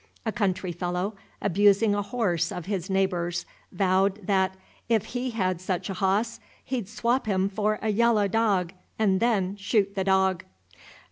A country fellow, abusing a horse of his neighbor's, vowed, that, "if he had such a hoss, he'd swap him for a `yallah dog,' and then shoot the dog."